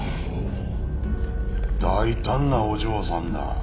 大胆なお嬢さんだ。